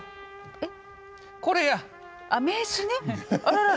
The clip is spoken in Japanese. えっ？